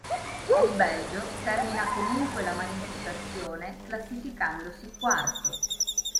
Il Belgio termina comunque la manifestazione classificandosi quarto.